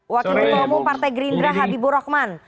wakil ketua umum partai gerindra habibur rahman